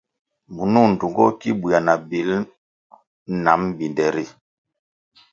Munung ndtungo ki buéah na bil nam binde ri.